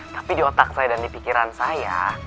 tapi di otak saya dan di pikiran saya